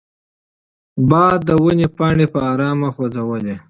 باد د ونې پاڼې په ارامه خوځولې.